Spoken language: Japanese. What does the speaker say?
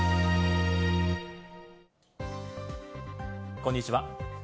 こんにちは。